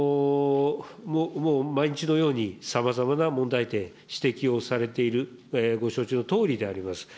もう毎日のように、さまざまな問題点、指摘をされている、ご承知のとおりであります。